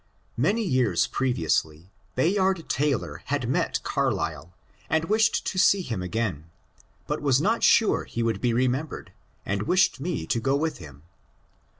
Many years previously Bayard Taylor had met Carlyle, and wished to see him again, but was not sure he would be remembered, and wished me to go with him.